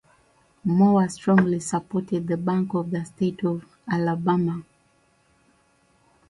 Moore strongly supported the Bank of the State of Alabama.